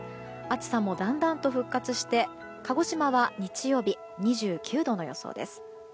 暑さもだんだんと復活して鹿児島は日曜日２９度の予想です。